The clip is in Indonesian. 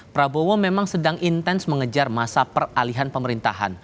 prabowo memang sedang intens mengejar masa peralihan pemerintahan